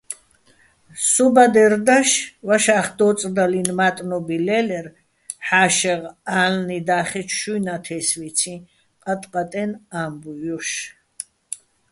სო ბადერ დაშ ვაშა́ხდო́წდაჲლნუჲ მა́ტნობი ლე́ლერ ჰ̦ა́შეღ ა́ლნი და́ხეჩო შუჲ ნათე́სვიციჼ ყატყატეჲნო̆ ა́მბუჲ ჲოშ.